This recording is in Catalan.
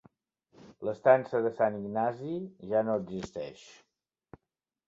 L'Estança de Sant Ignasi ja no existeix.